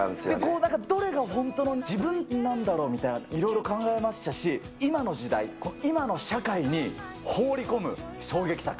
どれが本当の自分なんだろうみたいな、いろいろ考えましたし、今の時代、今の社会に放り込む衝撃作。